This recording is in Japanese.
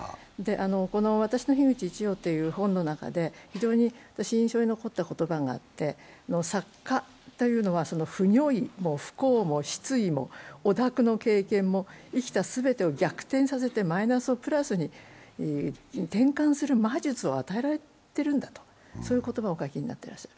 この「私の樋口一葉」という本の中で非常に印象に残った言葉があって、作家というのは不如意も不幸も失意も汚濁の経験も生きた全てを逆転させてマイナスをプラスに転換する魔術を与えられているんだという言葉をお書きになっていらっしゃる。